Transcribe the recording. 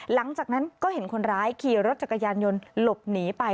หลังจากนั้นก็เห็นคนร้ายขี่รถจักรยานยนต์หลบหนีไป